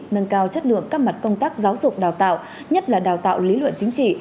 nâng cao chất lượng các mặt công tác giáo dục đào tạo nhất là đào tạo lý luận chính trị